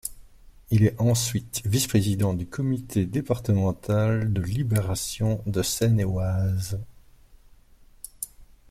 Il est ensuite vice-président du comité départemental de libération de Seine-et-Oise.